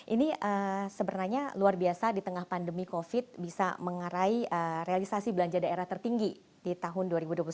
ini sebenarnya luar biasa di tengah pandemi covid bisa mengarai realisasi belanja daerah tertinggi di tahun dua ribu dua puluh satu